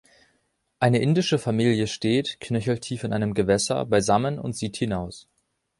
Eine indische Familie steht, knöcheltief in einem Gewässer, beisammen und sieht hinaus.